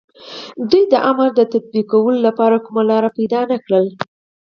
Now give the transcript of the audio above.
دوی د امر د تطبيقولو لپاره کومه لاره نه وه موندلې.